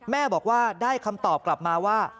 แม่บอกว่าได้คำตอบกลับมาว่า